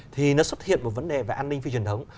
thì nó xuất hiện một vấn đề về an ninh phi truyền thống